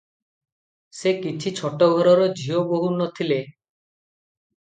ସେ କିଛି ଛୋଟ ଘରର ଝିଅ ବୋହୂ ନ ଥିଲେ ।